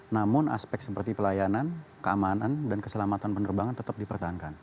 namun aspek seperti pelayanan keamanan dan keselamatan penerbangan tetap dipertahankan